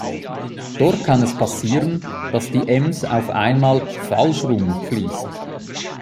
Dort kann es passieren, dass die Ems auf einmal „falsch rum“ fließt.